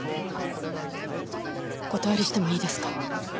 お断りしてもいいですか？